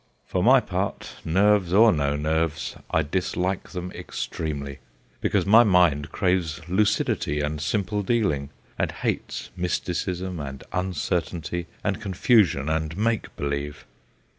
For my part nerves or no nerves I dislike them extremely, because my mind craves lucidity and simple dealing, and hates mysticism and uncertainty and confusion and make believe.